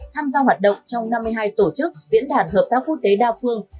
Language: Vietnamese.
tham gia hoạt động trong năm mươi hai tổ chức diễn đàn hợp tác quốc tế đa phương